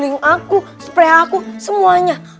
link aku spray aku semuanya